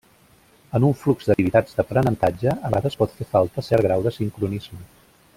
En un flux d'activitats d'aprenentatge, a vegades pot fer falta cert grau de sincronisme.